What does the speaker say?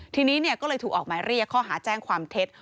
ทีนี้ก็เลยถูกออกหมายเรียกข้อหาแจ้งความเท็จ